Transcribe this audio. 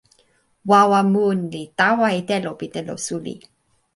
wawa mun li tawa e telo pi telo suli.